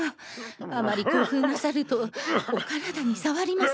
あまり興奮なさるとお身体に障ります。